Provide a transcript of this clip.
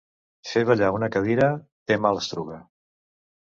Fer ballar una cadira té mala astruga.